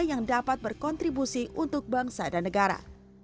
yang dapat berkontribusi untuk bangsa dan negara